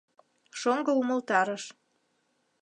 — шоҥго умылтарыш.